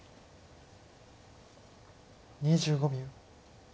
２５秒。